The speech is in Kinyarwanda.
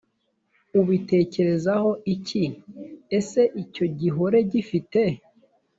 ubitekerezaho iki ese icyo gihore gifite